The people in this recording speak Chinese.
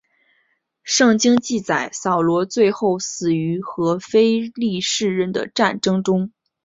圣经记载扫罗最后死在和非利士人的战争中。